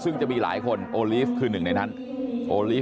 ยืนยันเลยว่าไม่ได้บูลลี่วันนี้ที่ทำคือไม่ได้บูลลี่